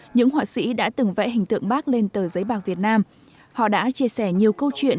những họa sĩ đã từng vẽ hình tượng bác lên tờ giấy bạc việt nam họ đã chia sẻ nhiều câu chuyện